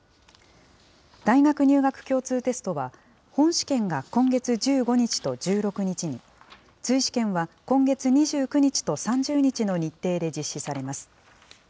大学入学共通テストは、本試験が今月１５日と１６日に、追試験は今月２９日と３０日の日程で実施されます。